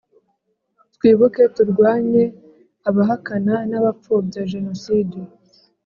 twibuke! turwanye abahakana n’abapfobya jenoside